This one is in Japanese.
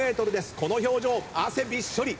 この表情汗びっしょり。